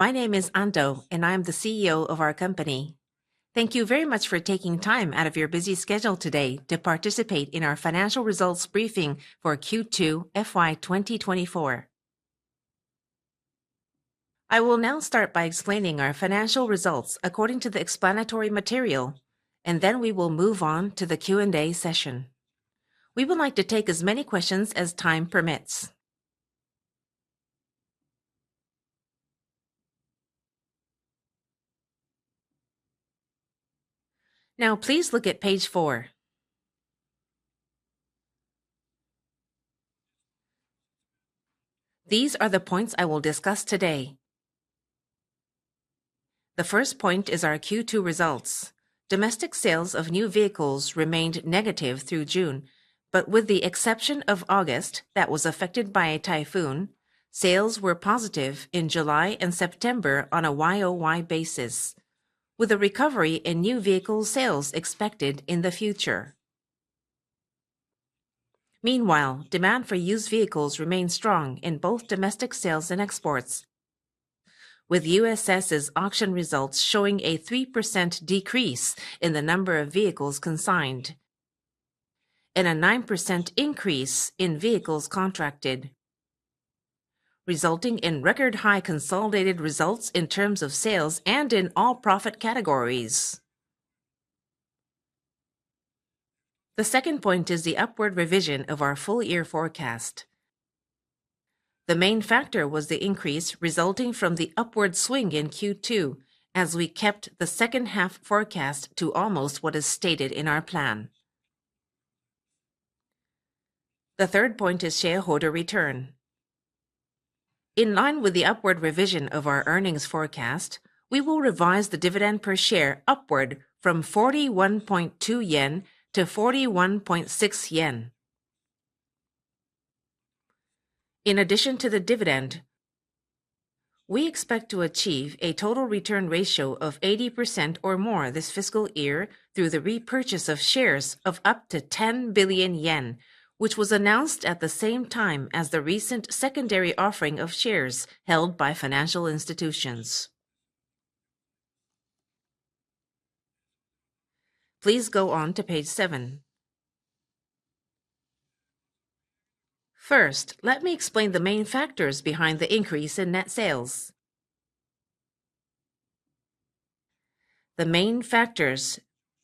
My name is Ando, and I am the CEO of our company. Thank you very much for taking time out of your busy schedule today to participate in our financial results briefing for Q2 FY 2024. I will now start by explaining our financial results according to the explanatory material, and then we will move on to the Q&A session. We would like to take as many questions as time permits. Now, please look at page 4. These are the points I will discuss today. The first point is our Q2 results. Domestic sales of new vehicles remained negative through June, but with the exception of August that was affected by a typhoon, sales were positive in July and September on a YoY basis, with a recovery in new vehicle sales expected in the future. Meanwhile, demand for used vehicles remained strong in both domestic sales and exports, with USS's auction results showing a 3% decrease in the number of vehicles consigned, and a 9% increase in vehicles contracted, resulting in record-high consolidated results in terms of sales and in all profit categories. The second point is the upward revision of our full-year forecast. The main factor was the increase resulting from the upward swing in Q2, as we kept the 2nd half forecast to almost what is stated in our plan. The third point is shareholder return. In line with the upward revision of our earnings forecast, we will revise the dividend per share upward from 41.2-41.6 yen. In addition to the dividend, we expect to achieve a total return ratio of 80% or more this fiscal year through the repurchase of shares of up to 10 billion yen, which was announced at the same time as the recent secondary offering of shares held by financial institutions. Please go on to page 7. First, let me explain the main factors behind the increase in net sales. The main factors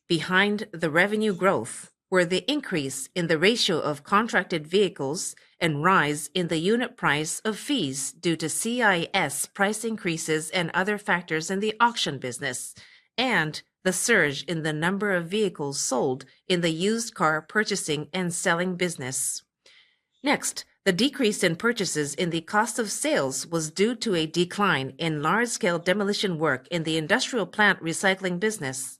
behind the revenue growth were the increase in the ratio of contracted vehicles and rise in the unit price of fees due to CIS price increases and other factors in the auction business, and the surge in the number of vehicles sold in the used car purchasing and selling business. Next, the decrease in purchases in the cost of sales was due to a decline in large-scale demolition work in the industrial plant recycling business.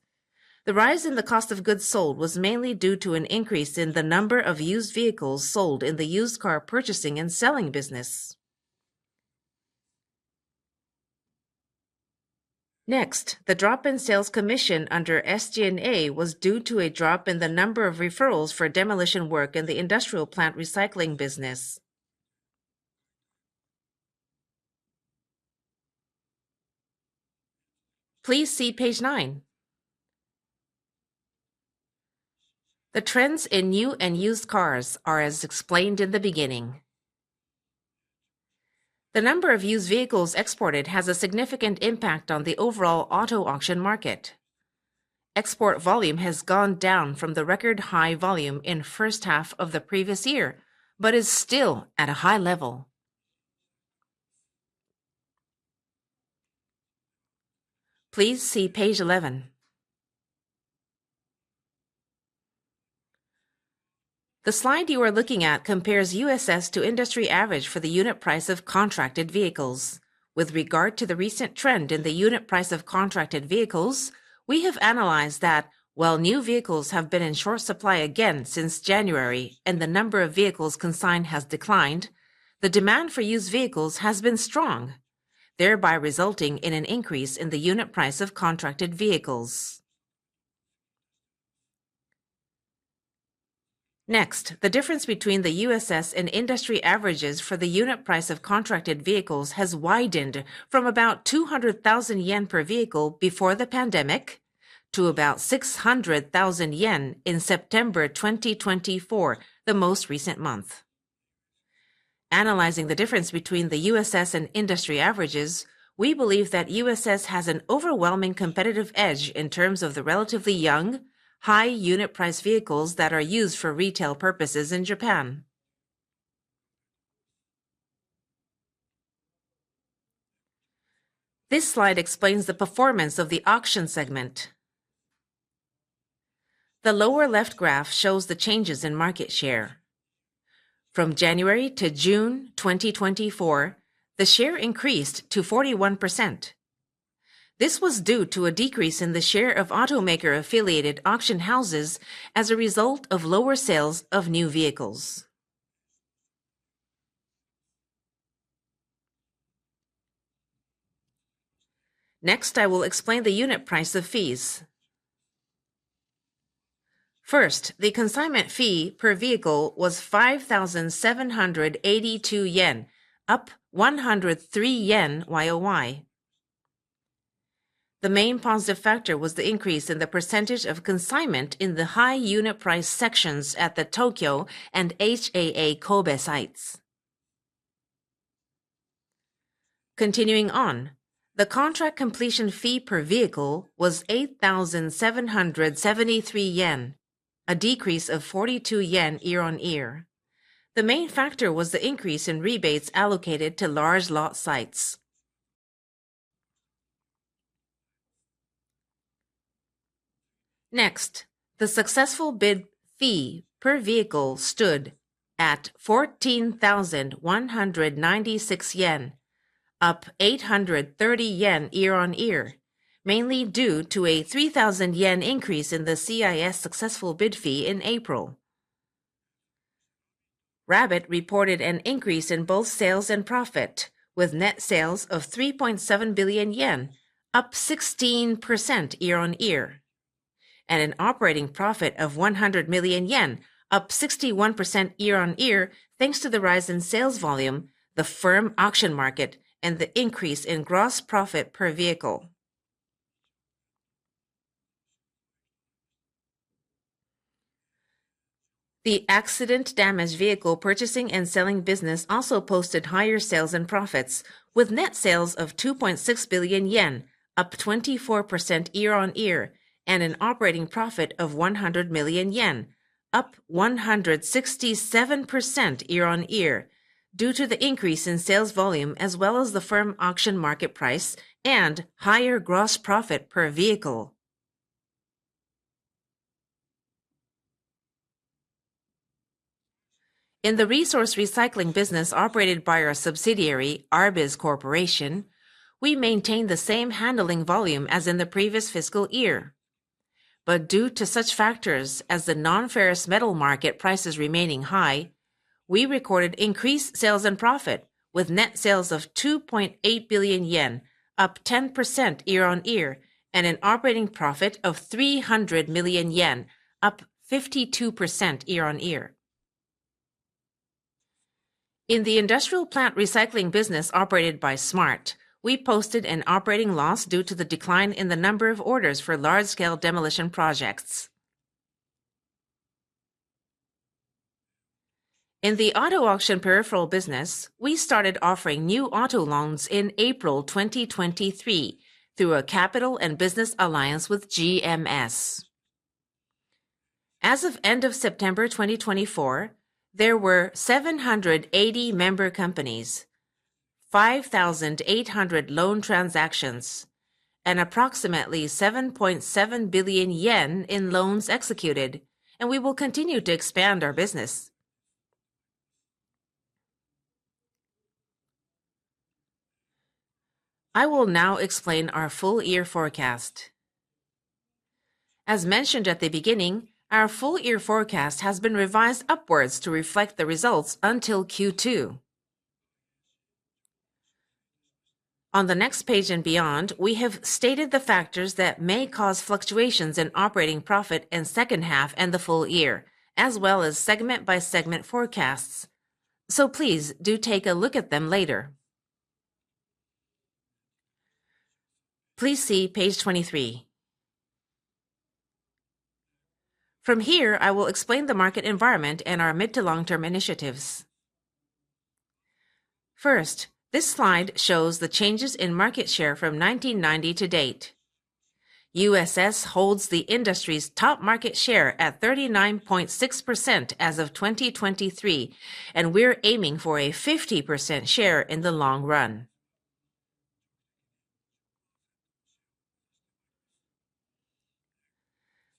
The rise in the cost of goods sold was mainly due to an increase in the number of used vehicles sold in the used car purchasing and selling business. Next, the drop in sales commission under SG&A was due to a drop in the number of referrals for demolition work in the industrial plant recycling business. Please see page 9. The trends in new and used cars are as explained in the beginning. The number of used vehicles exported has a significant impact on the overall auto auction market. Export volume has gone down from the record-high volume in the 1st half of the previous year but is still at a high level. Please see page 11. The slide you are looking at compares USS to industry average for the unit price of contracted vehicles. With regard to the recent trend in the unit price of contracted vehicles, we have analyzed that while new vehicles have been in short supply again since January and the number of vehicles consigned has declined, the demand for used vehicles has been strong, thereby resulting in an increase in the unit price of contracted vehicles. Next, the difference between the USS and industry averages for the unit price of contracted vehicles has widened from about 200,000 yen per vehicle before the pandemic to about 600,000 yen in September 2024, the most recent month. Analyzing the difference between the USS and industry averages, we believe that USS has an overwhelming competitive edge in terms of the relatively young, high unit price vehicles that are used for retail purposes in Japan. This slide explains the performance of the auction segment. The lower left graph shows the changes in market share. From January to June 2024, the share increased to 41%. This was due to a decrease in the share of automaker-affiliated auction houses as a result of lower sales of new vehicles. Next, I will explain the unit price of fees. First, the consignment fee per vehicle was 5,782 yen, up 103 yen YoY. The main positive factor was the increase in the percentage of consignment in the high unit price sections at the Tokyo and HAA Kobe sites. Continuing on, the contract completion fee per vehicle was 8,773 yen, a decrease of 42 yen year on year. The main factor was the increase in rebates allocated to large lot sites. Next, the successful bid fee per vehicle stood at 14,196 yen, up 830 yen year-on-year, mainly due to a 3,000 yen increase in the CIS successful bid fee in April. Rabbit reported an increase in both sales and profit, with net sales of 3.7 billion yen, up 16% year-on-year, and an operating profit of 100 million yen, up 61% year-on-year thanks to the rise in sales volume, the firm auction market, and the increase in gross profit per vehicle. The accident-damaged vehicle purchasing and selling business also posted higher sales and profits, with net sales of 2.6 billion yen, up 24% year-on-year, and an operating profit of 100 million yen, up 167% year-on-year, due to the increase in sales volume as well as the firm auction market price and higher gross profit per vehicle. In the resource recycling business operated by our subsidiary, ARBIZ Corporation, we maintained the same handling volume as in the previous fiscal year. But due to such factors as the non-ferrous metal market prices remaining high, we recorded increased sales and profit, with net sales of 2.8 billion yen, up 10% year-on-year, and an operating profit of 300 million yen, up 52% year-on-year. In the industrial plant recycling business operated by SMART, we posted an operating loss due to the decline in the number of orders for large-scale demolition projects. In the auto auction peripheral business, we started offering new auto loans in April 2023 through a capital and business alliance with GMS. As of end of September 2024, there were 780 member companies, 5,800 loan transactions, and approximately 7.7 billion yen in loans executed, and we will continue to expand our business. I will now explain our full-year forecast. As mentioned at the beginning, our full-year forecast has been revised upwards to reflect the results until Q2. On the next page and beyond, we have stated the factors that may cause fluctuations in operating profit in the second half and the full year, as well as segment-by-segment forecasts. So please do take a look at them later. Please see page 23. From here, I will explain the market environment and our mid- to long-term initiatives. First, this slide shows the changes in market share from 1990 to date. USS holds the industry's top market share at 39.6% as of 2023, and we're aiming for a 50% share in the long run.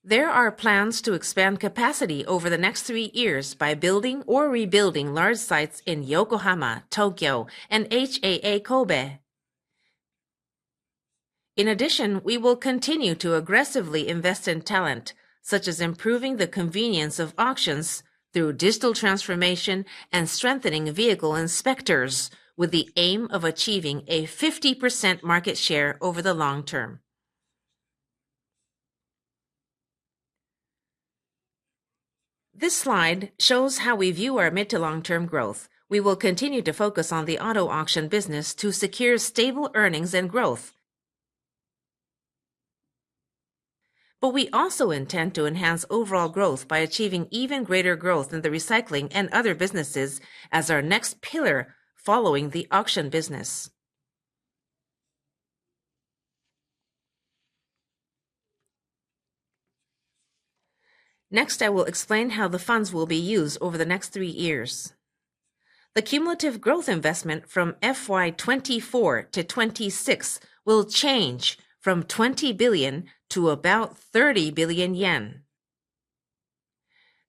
There are plans to expand capacity over the next three years by building or rebuilding large sites in Yokohama, Tokyo, and HAA Kobe. In addition, we will continue to aggressively invest in talent, such as improving the convenience of auctions through digital transformation and strengthening vehicle inspectors, with the aim of achieving a 50% market share over the long term. This slide shows how we view our mid- to long-term growth. We will continue to focus on the auto auction business to secure stable earnings and growth. But we also intend to enhance overall growth by achieving even greater growth in the recycling and other businesses as our next pillar following the auction business. Next, I will explain how the funds will be used over the next three years. The cumulative growth investment from FY 2024 to 2026 will change from 20 billion to about 30 billion yen.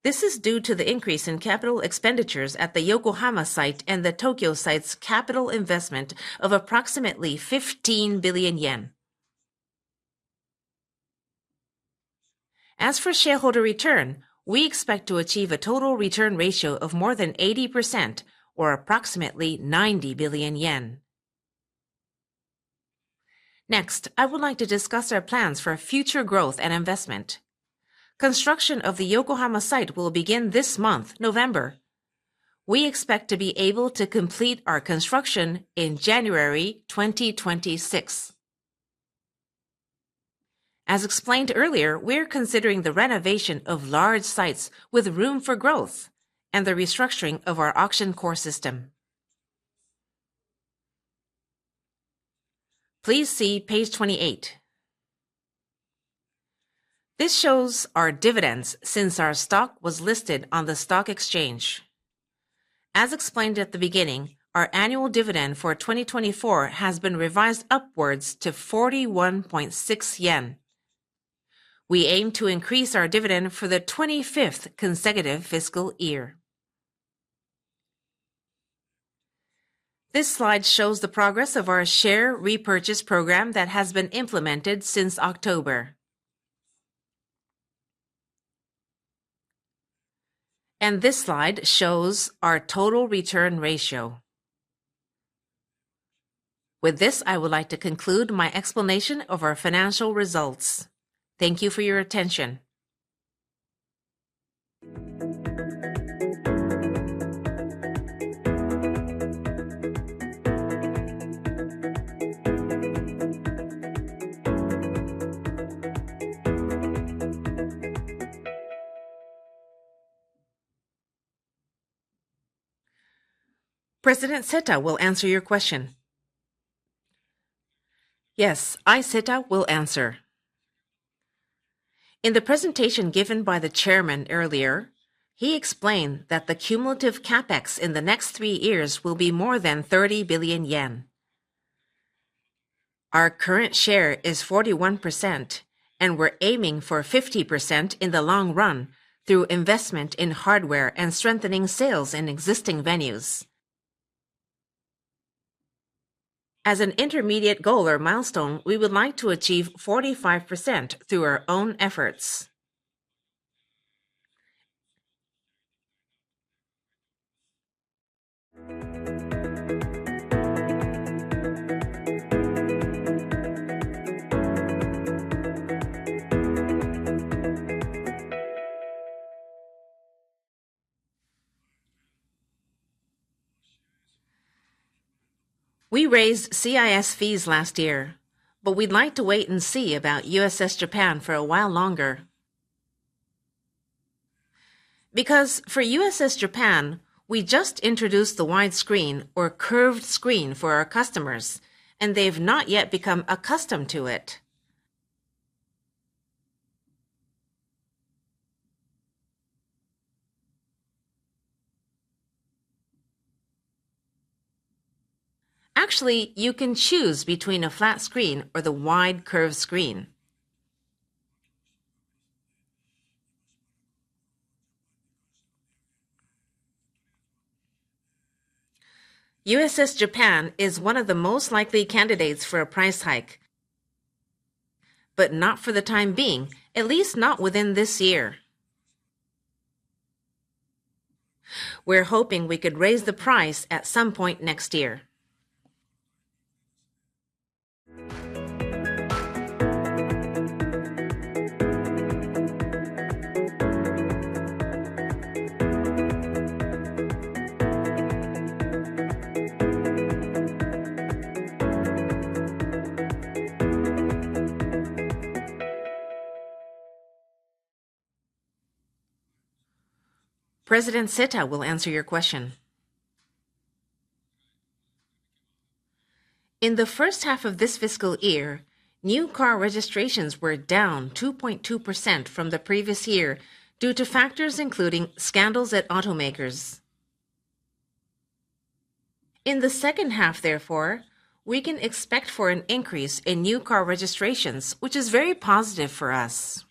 This is due to the increase in capital expenditures at the Yokohama site and the Tokyo site's capital investment of approximately 15 billion yen. As for shareholder return, we expect to achieve a total return ratio of more than 80%, or approximately JPY 90 billion. Next, I would like to discuss our plans for future growth and investment. Construction of the Yokohama site will begin this month, November. We expect to be able to complete our construction in January 2026. As explained earlier, we're considering the renovation of large sites with room for growth and the restructuring of our auction core system. Please see page 28. This shows our dividends since our stock was listed on the stock exchange. As explained at the beginning, our annual dividend for 2024 has been revised upwards to 41.6 yen. We aim to increase our dividend for the 25th consecutive fiscal year. This slide shows the progress of our share repurchase program that has been implemented since October. And this slide shows our total return ratio. With this, I would like to conclude my explanation of our financial results. Thank you for your attention. President Seta will answer your question. Yes, I Seta will answer. In the presentation given by the chairman earlier, he explained that the cumulative CapEx in the next three years will be more than 30 billion yen. Our current share is 41%, and we're aiming for 50% in the long run through investment in hardware and strengthening sales in existing venues. As an intermediate goal or milestone, we would like to achieve 45% through our own efforts. We raised CIS fees last year, but we'd like to wait and see about USS Japan for a while longer. Because for USS Japan, we just introduced the wide screen or curved screen for our customers, and they've not yet become accustomed to it. Actually, you can choose between a flat screen or the wide curved screen. USS Japan is one of the most likely candidates for a price hike, but not for the time being, at least not within this year. We're hoping we could raise the price at some point next year. President Seta will answer your question. In the 1st half of this fiscal year, new car registrations were down 2.2% from the previous year due to factors including scandals at automakers. In the 2nd half, therefore, we can expect for an increase in new car registrations, which is very positive for us.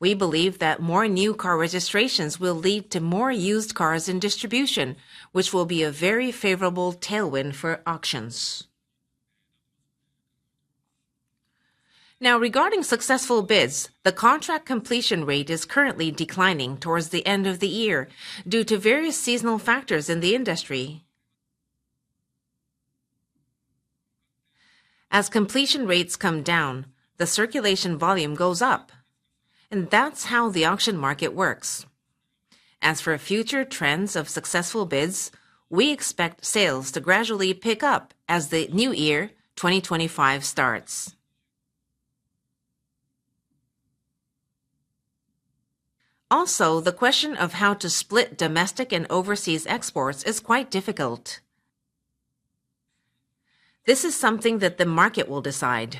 We believe that more new car registrations will lead to more used cars in distribution, which will be a very favorable tailwind for auctions. Now, regarding successful bids, the contract completion rate is currently declining towards the end of the year due to various seasonal factors in the industry. As completion rates come down, the circulation volume goes up, and that's how the auction market works. As for future trends of successful bids, we expect sales to gradually pick up as the new year, 2025, starts. Also, the question of how to split domestic and overseas exports is quite difficult. This is something that the market will decide.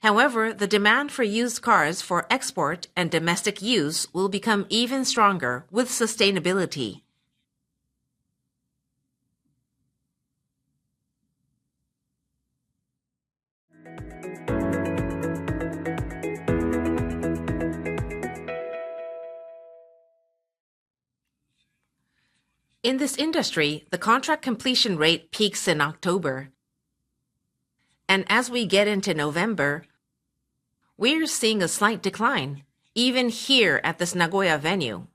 However, the demand for used cars for export and domestic use will become even stronger with sustainability. In this industry, the contract completion rate peaks in October, and as we get into November, we're seeing a slight decline, even here at the Nagoya venue.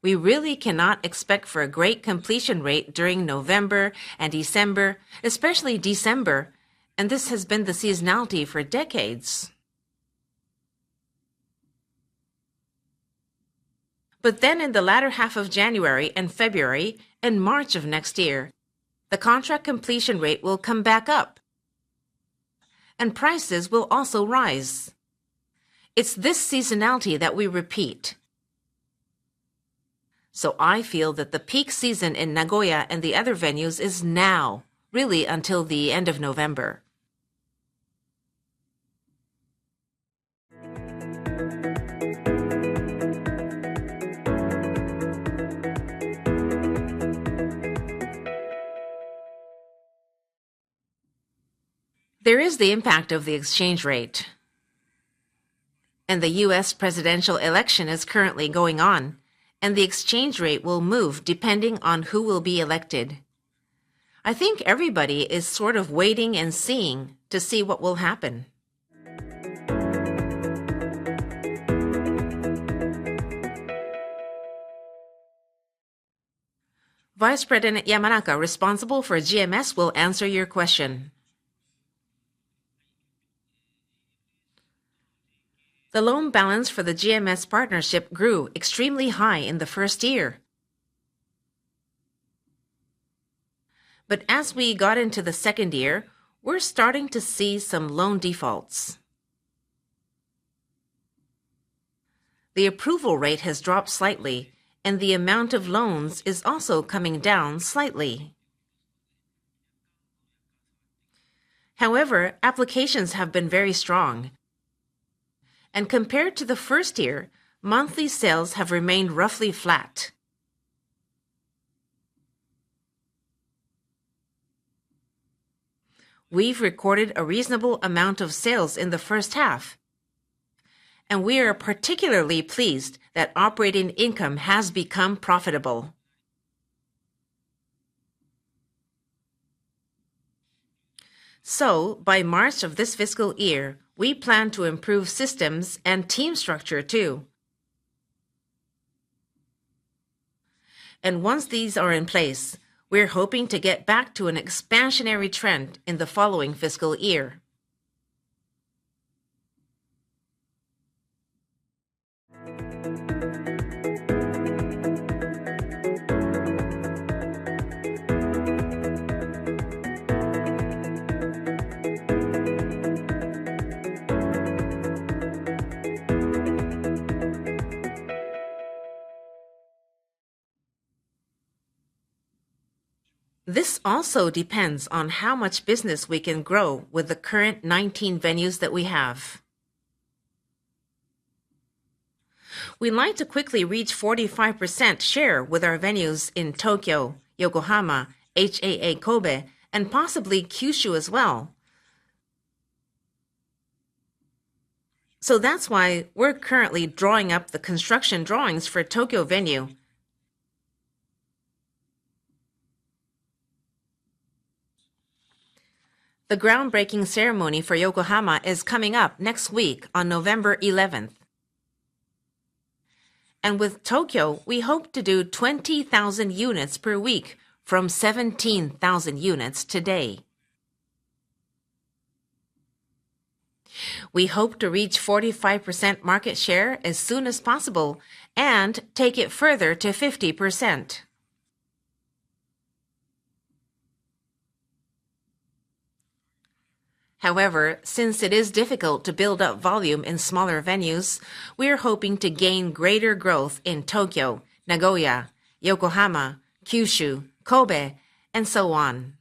We really cannot expect for a great completion rate during November and December, especially December, and this has been the seasonality for decades, but then in the latter half of January and February and March of next year, the contract completion rate will come back up, and prices will also rise. It's this seasonality that we repeat, so I feel that the peak season in Nagoya and the other venues is now, really until the end of November. There is the impact of the exchange rate, and the U.S. presidential election is currently going on, and the exchange rate will move depending on who will be elected. I think everybody is sort of waiting and seeing to see what will happen. Vice President Yamanaka, responsible for GMS, will answer your question. The loan balance for the GMS partnership grew extremely high in the first year. But as we got into the second year, we're starting to see some loan defaults. The approval rate has dropped slightly, and the amount of loans is also coming down slightly. However, applications have been very strong, and compared to the first year, monthly sales have remained roughly flat. We've recorded a reasonable amount of sales in the 1st half, and we are particularly pleased that operating income has become profitable. So by March of this fiscal year, we plan to improve systems and team structure too. And once these are in place, we're hoping to get back to an expansionary trend in the following fiscal year. This also depends on how much business we can grow with the current 19 venues that we have. We'd like to quickly reach 45% share with our venues in Tokyo, Yokohama, HAA Kobe, and possibly Kyushu as well. That's why we're currently drawing up the construction drawings for Tokyo venue. The groundbreaking ceremony for Yokohama is coming up next week on November 11th. With Tokyo, we hope to do 20,000 units per week from 17,000 units today. We hope to reach 45% market share as soon as possible and take it further to 50%. However, since it is difficult to build up volume in smaller venues, we are hoping to gain greater growth in Tokyo, Nagoya, Yokohama, Kyushu, Kobe, and so on.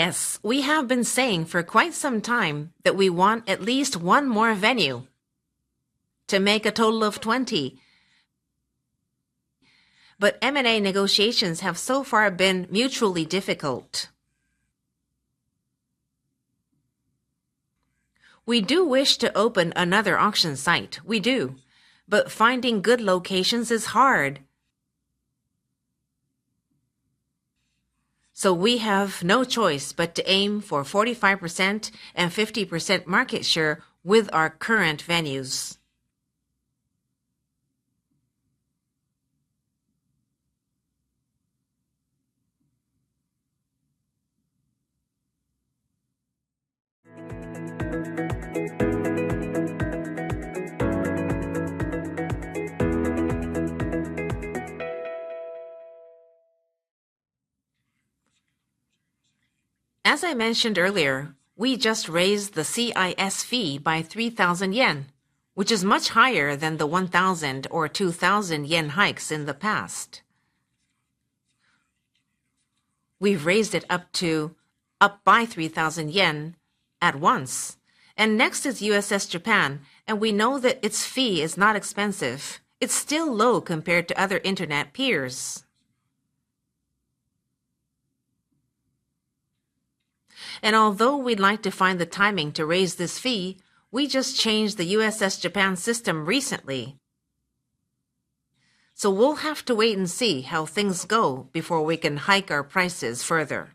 Yes, we have been saying for quite some time that we want at least one more venue to make a total of 20. M&A negotiations have so far been mutually difficult. We do wish to open another auction site, we do, but finding good locations is hard. We have no choice but to aim for 45% and 50% market share with our current venues. As I mentioned earlier, we just raised the CIS fee by 3,000 yen, which is much higher than the 1,000 or 2,000 yen hikes in the past. We've raised it up by 3,000 yen at once. Next is USS Japan, and we know that its fee is not expensive. It's still low compared to other internet peers. Although we'd like to find the timing to raise this fee, we just changed the USS Japan system recently. We'll have to wait and see how things go before we can hike our prices further.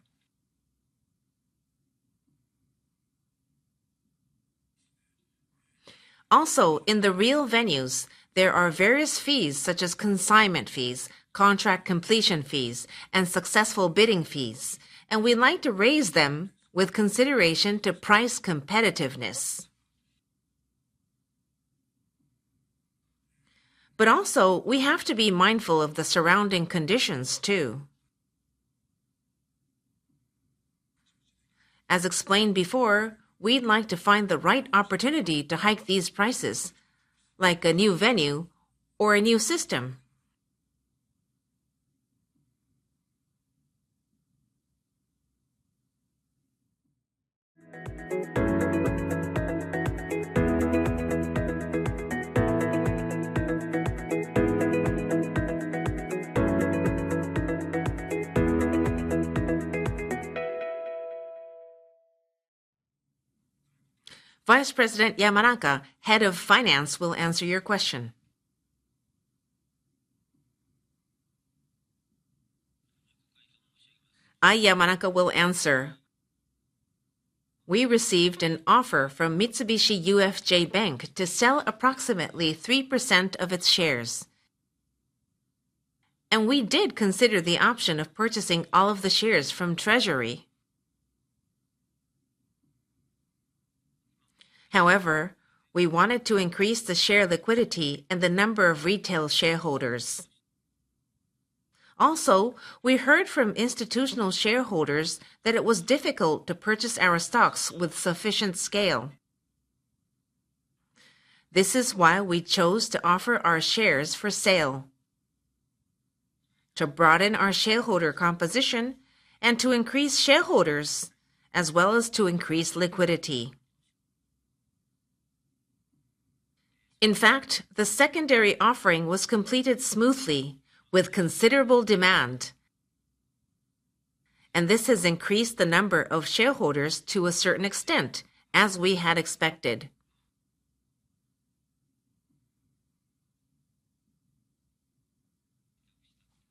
In the real venues, there are various fees such as consignment fees, contract completion fees, and successful bidding fees, and we'd like to raise them with consideration to price competitiveness. But also, we have to be mindful of the surrounding conditions too. As explained before, we'd like to find the right opportunity to hike these prices, like a new venue or a new system. Vice President Yamanaka, head of finance, will answer your question. I, Yamanaka, will answer. We received an offer from Mitsubishi UFJ Bank to sell approximately 3% of its shares, and we did consider the option of purchasing all of the shares from Treasury. However, we wanted to increase the share liquidity and the number of retail shareholders. Also, we heard from institutional shareholders that it was difficult to purchase our stocks with sufficient scale. This is why we chose to offer our shares for sale, to broaden our shareholder composition, and to increase shareholders, as well as to increase liquidity. In fact, the secondary offering was completed smoothly with considerable demand, and this has increased the number of shareholders to a certain extent, as we had expected.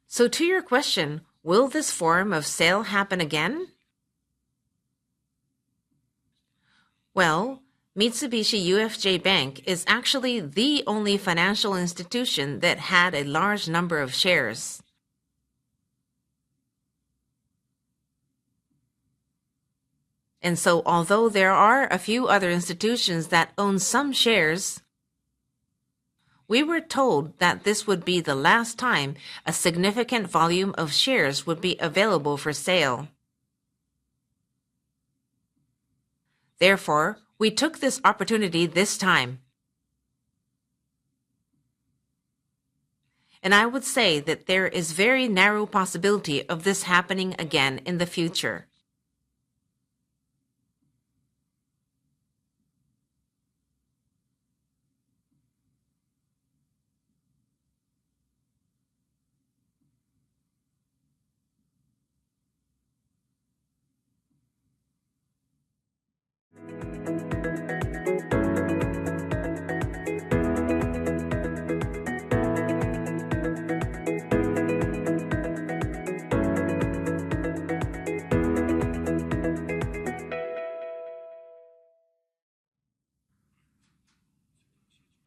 So to your question, will this form of sale happen again? Well, Mitsubishi UFJ Bank is actually the only financial institution that had a large number of shares. And so although there are a few other institutions that own some shares, we were told that this would be the last time a significant volume of shares would be available for sale. Therefore, we took this opportunity this time. And I would say that there is a very narrow possibility of this happening again in the future.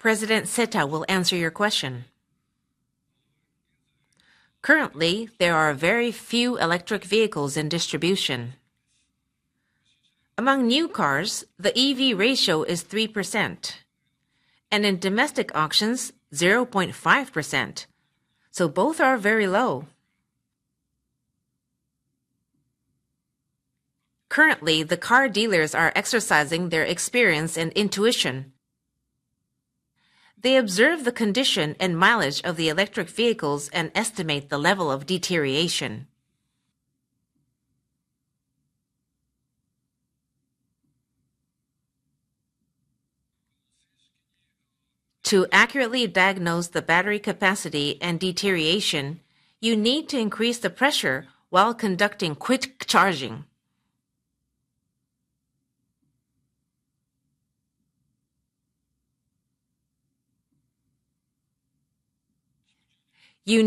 President Seta will answer your question. Currently, there are very few electric vehicles in distribution. Among new cars, the EV ratio is 3%, and in domestic auctions, 0.5%, so both are very low. Currently, the car dealers are exercising their experience and intuition. They observe the condition and mileage of the electric vehicles and estimate the level of deterioration. To accurately diagnose the battery capacity and deterioration, you need to increase the pressure while conducting quick charging. We are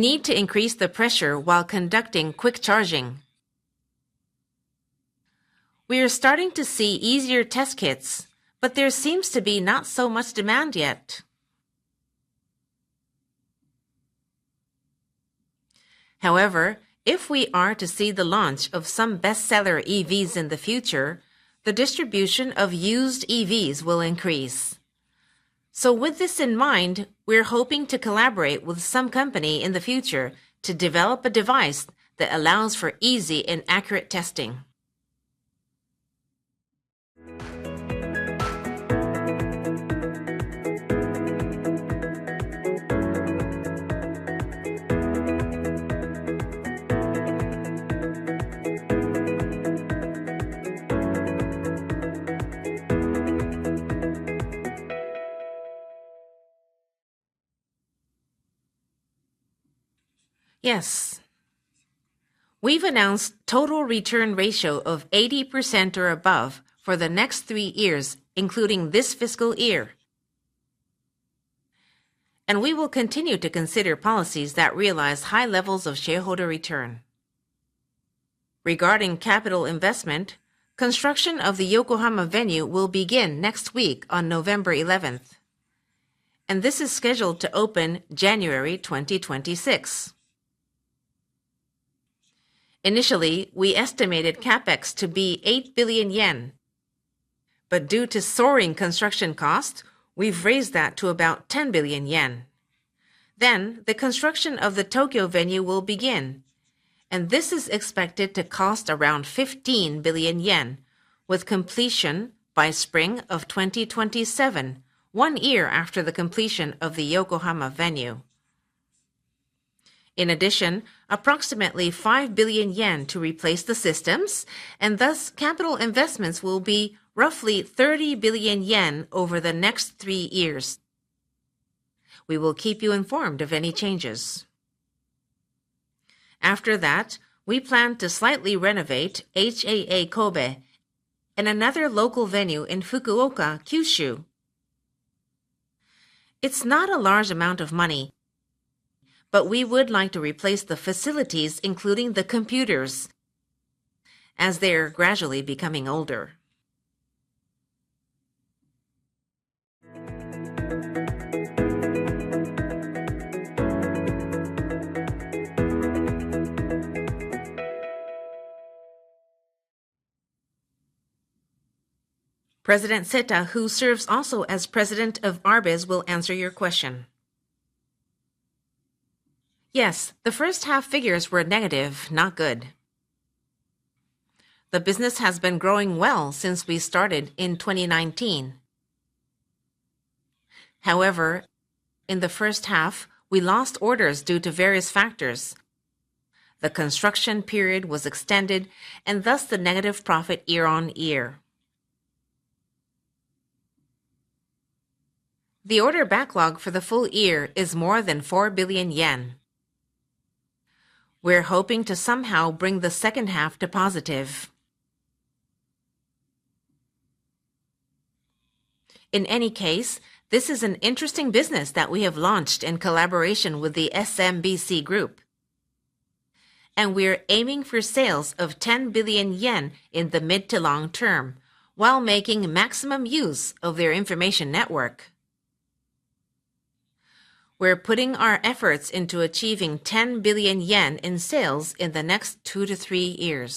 starting to see easier test kits, but there seems to be not so much demand yet. However, if we are to see the launch of some bestseller EVs in the future, the distribution of used EVs will increase. So with this in mind, we're hoping to collaborate with some company in the future to develop a device that allows for easy and accurate testing. Yes, we've announced a total return ratio of 80% or above for the next three years, including this fiscal year. And we will continue to consider policies that realize high levels of shareholder return. Regarding capital investment, construction of the Yokohama venue will begin next week on November 11th, and this is scheduled to open January 2026. Initially, we estimated CapEx to be 8 billion yen, but due to soaring construction costs, we've raised that to about 10 billion yen. Then the construction of the Tokyo venue will begin, and this is expected to cost around 15 billion yen, with completion by spring of 2027, one year after the completion of the Yokohama venue. In addition, approximately 5 billion yen to replace the systems, and thus capital investments will be roughly 30 billion yen over the next three years. We will keep you informed of any changes. After that, we plan to slightly renovate HAA Kobe and another local venue in Fukuoka, Kyushu. It's not a large amount of money, but we would like to replace the facilities, including the computers, as they're gradually becoming older. President Seta, who serves also as president of ARBIZ, will answer your question. Yes, the 1st half figures were negative, not good. The business has been growing well since we started in 2019. However, in the 1st half, we lost orders due to various factors. The construction period was extended, and thus the negative profit year-on-year. The order backlog for the full year is more than 4 billion yen. We're hoping to somehow bring the 2nd half to positive. In any case, this is an interesting business that we have launched in collaboration with the SMBC Group, and we're aiming for sales of 10 billion yen in the mid to long term while making maximum use of their information network. We're putting our efforts into achieving 10 billion yen in sales in the next two to three years.